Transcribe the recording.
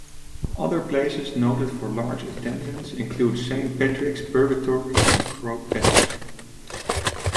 Other places noted for large attendance include Saint Patrick's Purgatory and Croagh Patrick.